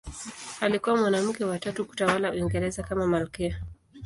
Alikuwa mwanamke wa tatu kutawala Uingereza kama malkia.